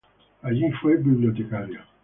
Allí fue bibliotecario.